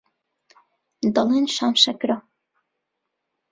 دەڵێن شام شەکرە